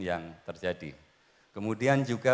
yang terjadi kemudian juga